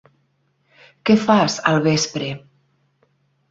Què fas, al vespre?